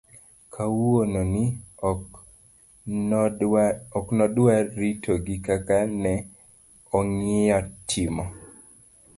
kawuono ni, ok nodwa ritogi kaka ne ong'iyo timo